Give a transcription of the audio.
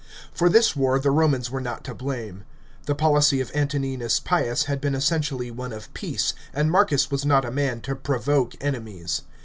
f For this war the Romans were not to blame. The policy of Antoninus Pius had been essentially one of peace, and Marcus was riot a man to provoke enemies.